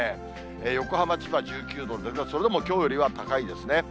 横浜、千葉、１９度、それでもきょうよりは高いですね。